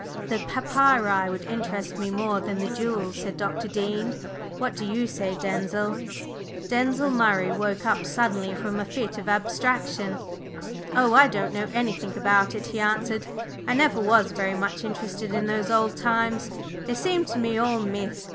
"The papyri would interest me more than the jewels," said Dr. Dean. "What do you say, Denzil?" Denzil Murray woke up suddenly from a fit of abstraction. "Oh, I don't know anything about it," he answered. "I never was very much interested in those old times, they seem to me all myth.